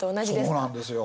そうなんですよ。